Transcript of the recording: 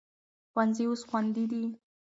ښوونځي اوس خوندي دي.